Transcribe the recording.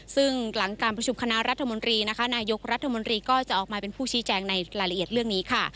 ซึ่งหลังการประชุมคณะรัฐมนตรีนะคะนายกรัฐมนตรีก็จะออกมาเป็นผู้ชี้แจงในรายละเอียดเรื่องนี้ค่ะ